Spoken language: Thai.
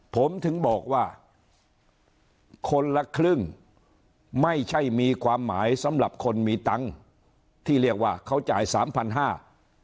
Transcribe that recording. ผมถึงบอกว่าคนละครึ่งไม่ใช่มีความหมายสำหรับคนมีตังค์ที่เรียกว่าเขาจ่ายสามพันห้า